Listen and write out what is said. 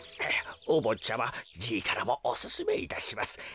おぼっちゃまじいからもおすすめいたします。